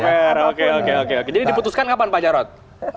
jadi diputuskan kapan pak jarod